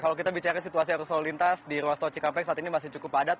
kalau kita bicara situasi arus lalu lintas di ruas tol cikampek saat ini masih cukup padat